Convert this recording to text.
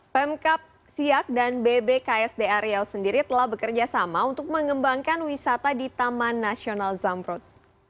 pemkap siak dan bbksda riau sendiri telah bekerja sama untuk mengembangkan wisata di taman nasional zamrut